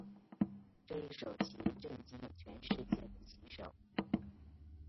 这一手棋震惊了全世界的棋手。